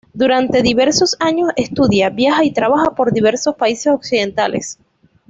Durante diversos años estudia, viaja y trabaja por diversos países occidentales.